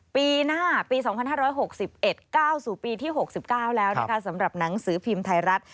ปี๒๐๑๕สังคม๖๑๙สู่ปีที่๖๙สำหรับหนังสือพิมพ์ท้ายรัฐ